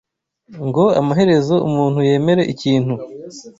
ngo amaherezo umuntu yemere ikintu